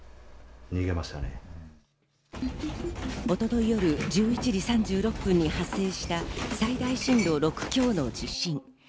一昨日夜１１時３６分に発生した最大震度６強の地震。